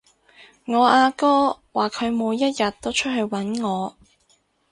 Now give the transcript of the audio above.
我阿哥話佢每一日都出去搵我